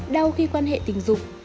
đau khi quan hệ tình dục